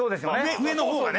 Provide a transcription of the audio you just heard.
上の方がね。